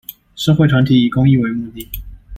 社會團體以公益為目的